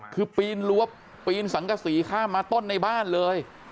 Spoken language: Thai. คือปีนรั้วปีนสังกษีข้ามมาต้นในบ้านเลย